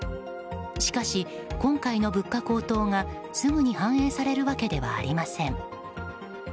しかし、今回の物価高騰がすぐに反映されるわけではありません。